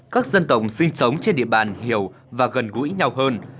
các dân tộc sinh sống trên địa bàn hiểu và gần gũi nhau hơn